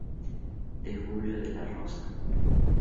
De Julio de la Rosa.